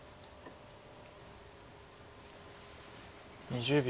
２０秒。